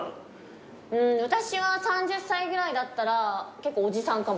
うん私は３０歳ぐらいだったら結構おじさんかも。